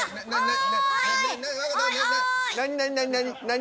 何？